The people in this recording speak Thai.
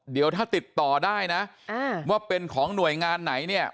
เดี๋ยวถ้าติดต่อได้นะว่าเป็นของหน่วยงานไหนเนี่ย